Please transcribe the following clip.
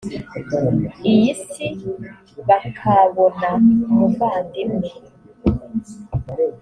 iyi si bakabona umuvandimwe